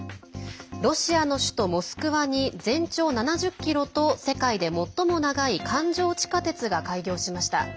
ロシアの首都モスクワに全長７０ｋｍと世界で最も長い環状地下鉄が開業しました。